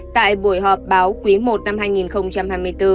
tại buổi họp báo quý i năm hai nghìn hai mươi bốn